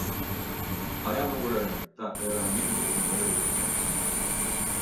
I am aware that there are many different variables at play.